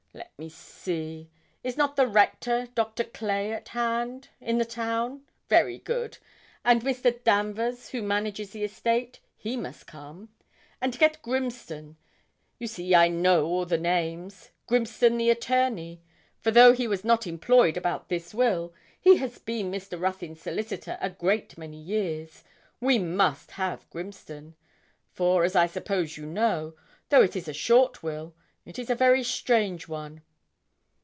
Let me see. Is not the Rector, Dr. Clay, at hand? In the town? very good; and Mr. Danvers, who manages the estate, he must come. And get Grimston you see I know all the names Grimston, the attorney; for though he was not employed about this will, he has been Mr. Ruthyn's solicitor a great many years: we must have Grimston; for, as I suppose you know, though it is a short will, it is a very strange one.